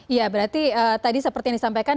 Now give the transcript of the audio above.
ya berarti tadi seperti yang disampaikan